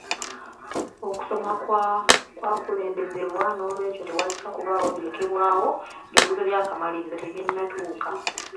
Okusoma kwa kukulembezebwa n'olw'ekyo tewajja kubaawo birekebwayo ng'ebibuuzo by'akamalirizo tebinnatuuka.